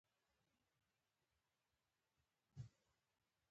بنسټپالي بهیرونه په سیاست کې اخته دي.